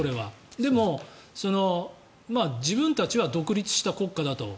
でも、自分たちは独立した国家だと。